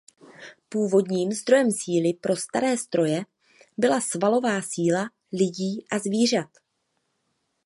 Původním zdrojem síly pro staré stroje byla "svalová síla" lidí a zvířat.